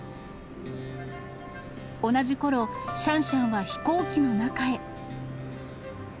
同じころ、シャンシャンは飛行機の中へ。